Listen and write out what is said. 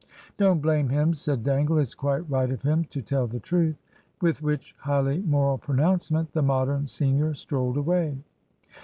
"Don't blame him," said Dangle. "It's quite right of him to tell the truth." With which highly moral pronouncement the Modern senior strolled away.